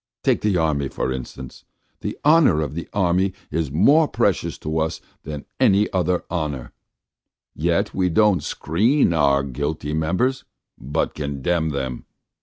Take the army, for instance. ... The honour of the army is more precious to us than any other honour, yet we don't screen our guilty members, but condemn them.